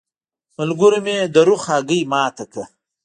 ملګرو مې د رخ هګۍ ماته کړه.